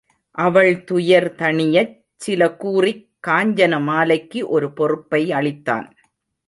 அவள் துயர் தணியச் சில கூறிக் காஞ்சன மாலைக்கு ஒரு பொறுப்பை அளித்தான்.